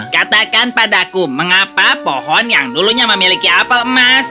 katakan padaku mengapa pohon yang dulunya memiliki apel emas